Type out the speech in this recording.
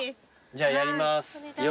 じゃやります。